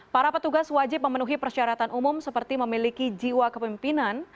para petugas wajib memenuhi persyaratan umum seperti memiliki jiwa kepemimpinan